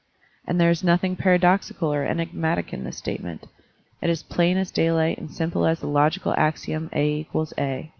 And there is nothing paradoxical or enigmatic in this statement; it is plain as daylight and simple as the logical axiom a = a.